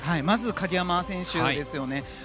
まず鍵山選手ですよね。